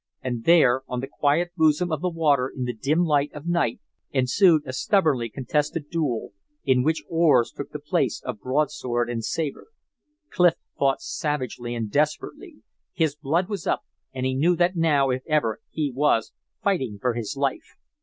And there, on the quiet bosom of the water in the dim light of night, ensued a stubbornly contested duel, in which oars took the place of broadsword and sabre. Clif fought savagely and desperately. His blood was up, and he knew that now, if ever, he was, fighting for his life.